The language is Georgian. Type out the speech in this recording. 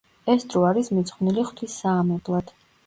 ეს დრო არის მიძღვნილი ღვთის საამებლად.